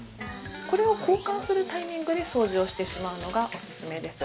これを交換するタイミングで掃除をしてしまうのがお勧めです。